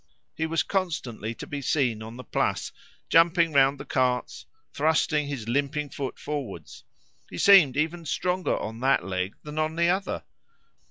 He was constantly to be seen on the Place, jumping round the carts, thrusting his limping foot forwards. He seemed even stronger on that leg than the other.